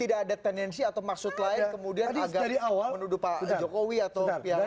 tidak ada tendensi atau maksud lain kemudian agak menuduh pak jokowi atau pihak lain